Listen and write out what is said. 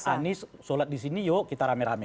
anies sholat disini yuk kita rame rame